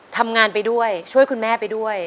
ทำงานไปด้วยช่วยคุณแม่ไปด้วย